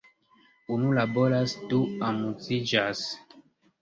Unu laboras du amuziĝas!